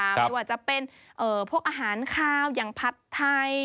ไม่ว่าจะเป็นพวกอาหารคาวอย่างผัดไทย